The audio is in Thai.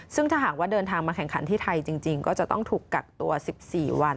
ซึ่งถ้าหากว่าเดินทางมาแข่งขันที่ไทยจริงก็จะต้องถูกกักตัว๑๔วัน